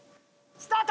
スタート！